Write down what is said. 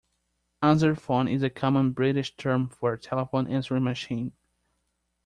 Answerphone is a common British term for a telephone answering machine